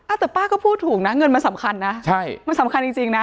แต่ป้าก็พูดถูกนะเงินมันสำคัญนะใช่มันสำคัญจริงจริงนะ